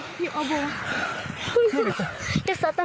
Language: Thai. เรียกขึ้นมา